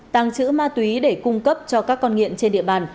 tàng trữ ma túy để cung cấp cho các con nghiện trên địa bàn